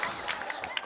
そうか。